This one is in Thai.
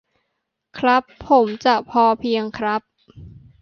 ครับ ผมจะพอเพียงครับ